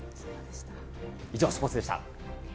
以上、スポーツでした。